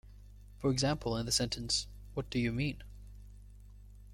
For example, in the sentence What do you mean?